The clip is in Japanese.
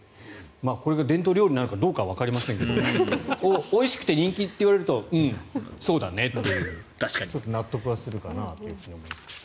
これが伝統料理なのかどうかはわかりませんがおいしくて人気と言われるとうん、そうだねと納得はするかなという感じですね。